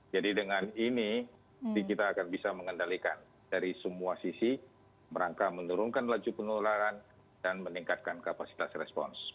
jadi dengan ini kita akan bisa mengendalikan dari semua sisi merangka menurunkan laju penularan dan meningkatkan kapasitas respons